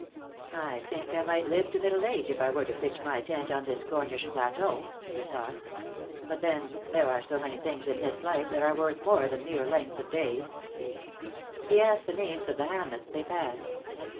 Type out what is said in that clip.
44 BUT THEN CAME ONE, '' I think I might live to middle age if I were to pitch my tent on this Cornish plateau/' he thought; '^ but, then, there are so many things in this life that are worth more than mere length of days/' He asked the names of the hamlets they passed.